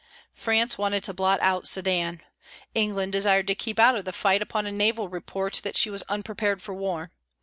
France wanted to blot out Sedan. England desired to keep out of the fight upon a naval report that she was unprepared for war.